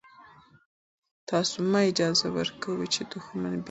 تاسو مه اجازه ورکوئ چې دښمن بیا راشي.